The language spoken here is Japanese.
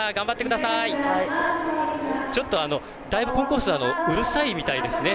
だいぶコンコースはうるさいみたいですね。